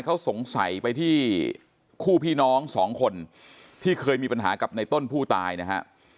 เขาสงสัยไปที่คู่พี่น้องสองคนที่เคยมีปัญหากับในต้นผู้ตายนะฮะ